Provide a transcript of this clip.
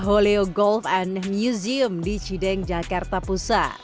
holeo golf and museum di cideng jakarta pusat